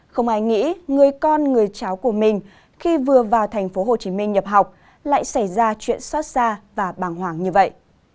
không ai nghĩ người con người cháu của mình khi vừa vào tp hcm nhập học lại xảy ra chuyện xót xa và bàng hoàng như vậy